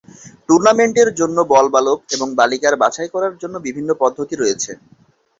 টুর্নামেন্টের জন্য বল বালক এবং বালিকার বাছাই করার জন্য বিভিন্ন পদ্ধতি রয়েছে।